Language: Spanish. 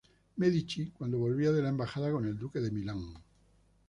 Medici, cuando volvía de la embajada con el duque de Milán.